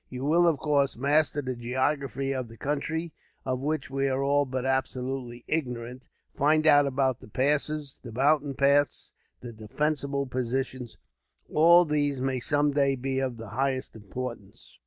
You will, of course, master the geography of the country, of which we are all but absolutely ignorant; find out about the passes, the mountain paths, the defensible positions. All these things may someday be of the highest importance.